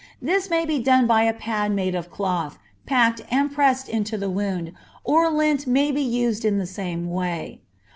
This may be done by a pad made of cloth, packed and pressed into the wound, or lint may be used in the same way.